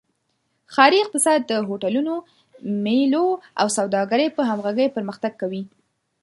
ښاري اقتصاد د هوټلونو، میلو او سوداګرۍ په همغږۍ پرمختګ کوي.